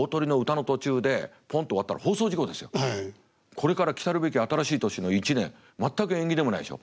これから来るべき新しい年の一年全く縁起でもないでしょ。